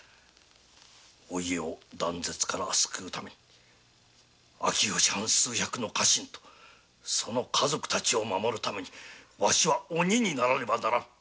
お家を断絶から救うため秋吉藩数百の家臣とその家族たちを守るためにワシは鬼にならねばならぬ。